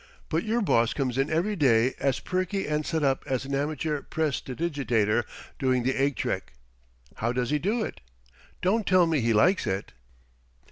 But your boss comes in every day as perky and set up as an amateur prestidigitator doing the egg trick. How does he do it? Don't tell me he likes it."